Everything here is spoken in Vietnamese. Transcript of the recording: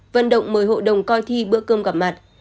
vận động mời hội đồng coi thi bữa cơm gặp mặt